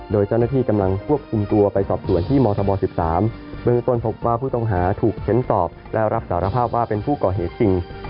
โดยเจ้าหน้าที่กำลังภูมิตัวไปสอบส่วนที่มธ๑๓เบื้องต้นภูมิภูมิภูมิต้องหาถึงเข็นสอบรับสารภาพฯเป็นผู้อก่อเหตุซิ่ง